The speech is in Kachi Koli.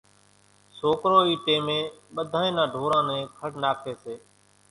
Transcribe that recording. سوڪرو اِي ٽيمين ٻڌانئين نان ڍوران نين کڙ ناکي سي،